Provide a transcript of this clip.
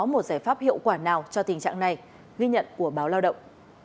một giải pháp hiệu quả nào cho tình trạng này ghi nhận của báo lao động